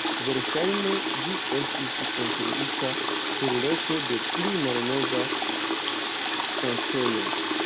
Verŝajne, ĝi estis konstruita surloke de pli malnova sanktejo.